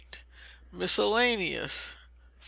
Miscellaneous. 579.